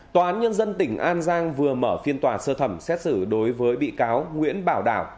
tòa án nhân dân tỉnh an giang vừa mở phiên tòa sơ thẩm xét xử đối với bị cáo nguyễn bảo đảo